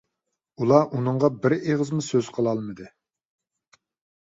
ئۇلار ئۇنىڭغا بىر ئېغىزمۇ سۆز قىلالمىدى.